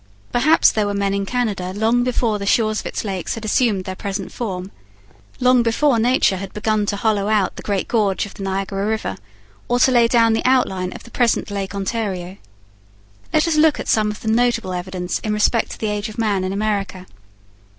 Perhaps there were men in Canada long before the shores of its lakes had assumed their present form; long before nature had begun to hollow out the great gorge of the Niagara river or to lay down the outline of the present Lake Ontario. Let us look at some of the notable evidence in respect to the age of man in America.